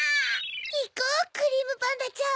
いこうクリームパンダちゃん。